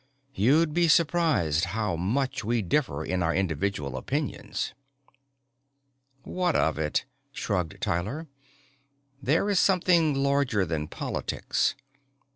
You'd be surprised how much we differ in our individual opinions." "What of it?" shrugged Tyler. "This is something larger than politics.